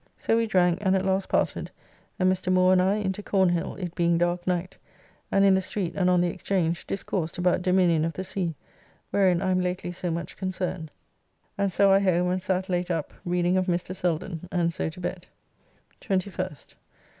So we drank and at last parted, and Mr. Moore and I into Cornhill, it being dark night, and in the street and on the Exchange discoursed about Dominion of the Sea, wherein I am lately so much concerned, and so I home and sat late up reading of Mr. Selden, and so to bed. 21st.